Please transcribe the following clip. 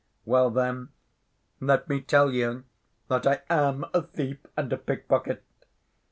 Well, then; let me tell you that I am a thief and a pickpocket.